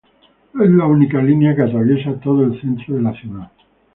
Es la única línea que atraviesa todo el centro de la ciudad.